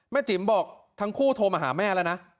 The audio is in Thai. จิ๋มบอกทั้งคู่โทรมาหาแม่แล้วนะ